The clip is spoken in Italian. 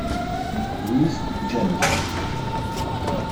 Louise Jameson